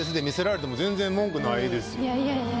いやいやいや。